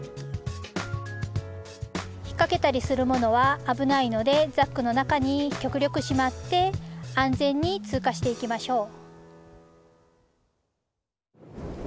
引っ掛けたりするものは危ないのでザックの中に極力しまって安全に通過していきましょう。